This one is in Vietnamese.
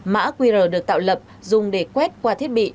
mã qr được tạo lập dùng để quét qua thiết bị